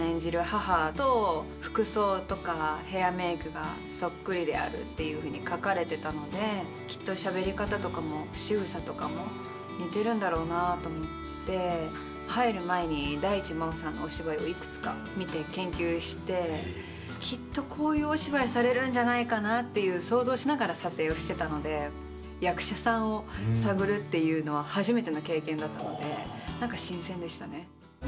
母と、服装とかヘアメークがそっくりであるというふうに書かれてたので、きっとしゃべり方とかも、しぐさとかも似てるんだろうなと思って、入る前に大地真央さんのお芝居をいくつか見て研究して、きっとこういうお芝居されるんじゃないかなっていう、想像しながら撮影をしてたので、役者さんを探るっていうのは初めての経験だったので、なんか新鮮でしたね。